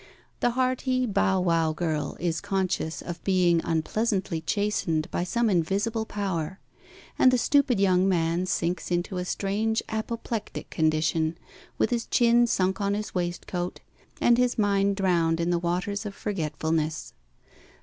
The hearty bow wow girl is conscious of being unpleasantly chastened by some invisible power; and the stupid young man sinks into a strange apoplectic condition, with his chin sunk on his waistcoat, and his mind drowned in the waters of forgetfulness.